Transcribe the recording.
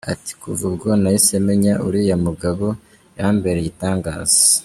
Ati “Kuva ubwo nahise menya uriya mugabo, yambereye igitangaza.